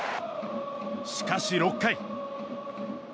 しかし、６回。